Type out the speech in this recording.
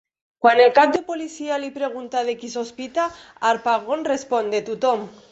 Quan el cap de policia li pregunta de qui sospita, Harpagon respon: "De tothom!".